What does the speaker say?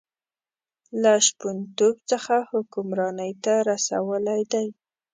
له شپونتوب څخه حکمرانۍ ته رسولی دی.